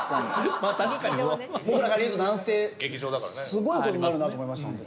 すごいことになるなと思いましたホント。